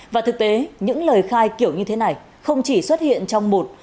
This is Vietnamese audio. và thực tế những lời khai kiểu như thế này không chỉ xuất hiện trong một